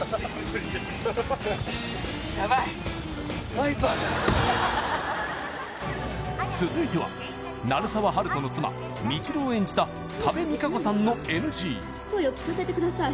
カット続いては鳴沢温人の妻未知留を演じた多部未華子さんのＮＧ声を聞かせてください